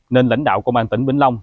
nên lãnh đạo công an tỉnh bình long